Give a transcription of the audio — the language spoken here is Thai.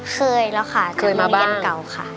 เคยแล้วค่ะเจอโรงเรียนเก่าค่ะ